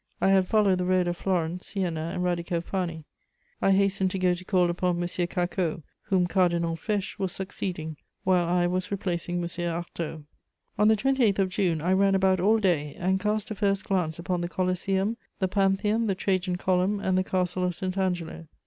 I had followed the road of Florence, Siena, and Radicofani. I hastened to go to call upon M. Cacault, whom Cardinal Fesch was succeeding, while I was replacing M. Artaud. On the 28th of June, I ran about all day, and cast a first glance upon the Coliseum, the Pantheon, the Trajan Column, and the Castle of St. Angelo.